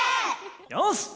よし！